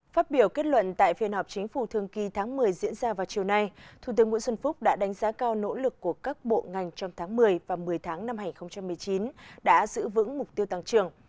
phát biểu kết luận tại phiên họp chính phủ thường kỳ tháng một mươi diễn ra vào chiều nay thủ tướng nguyễn xuân phúc đã đánh giá cao nỗ lực của các bộ ngành trong tháng một mươi và một mươi tháng năm hai nghìn một mươi chín đã giữ vững mục tiêu tăng trưởng